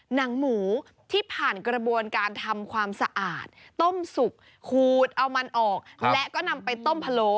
หนังหมูที่ผ่านกระบวนการทำความสะอาดต้มสุกขูดเอามันออกและก็นำไปต้มพะโล